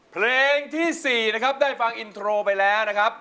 เพลงที่๔นะครับได้ฟังอินโทรไปแล้วนะครับ